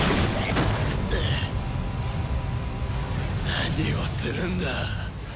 何をするんだ！